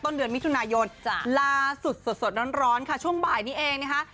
เดือนมิถุนายนล่าสุดสดร้อนค่ะช่วงบ่ายนี้เองนะคะ